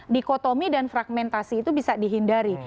dikotomi dan fragmentasi itu bisa dihindari